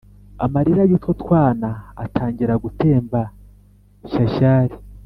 amarira y’utwo twana atangira gutemba shyashyari